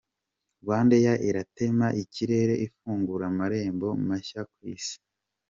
RwandAir iratema ikirere ifungura amarembo mashya ku isi.